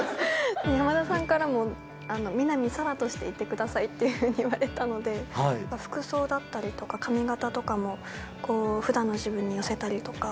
山田さんからも、南沙良としていてくださいっていうふうに言われたので、服装だったりとか髪形とかも、ふだんの自分に寄せたりとか。